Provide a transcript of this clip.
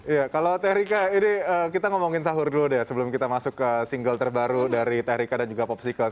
iya kalau teh rika ini kita ngomongin sahur dulu deh sebelum kita masuk ke single terbaru dari teh rika dan juga popsicles